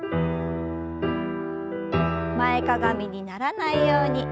前かがみにならないように気を付けて。